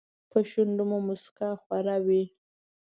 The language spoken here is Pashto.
په شونډو مو موسکا خوره وي .